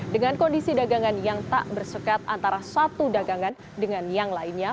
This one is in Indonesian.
dengan kondisi dagangan yang tak bersekat antara satu dagangan dengan yang lainnya